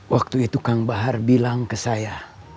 waktu itu kang bahar bilang ke saya